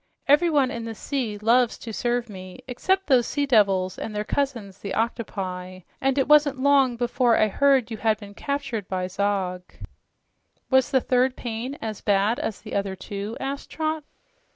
Everyone in the sea loves to serve me except those sea devils and their cousins, the octopi and it wasn't long before I heard you had been captured by Zog." "Was the third pain as bad as the other two?" asked Trot.